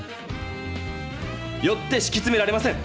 よってしきつめられません。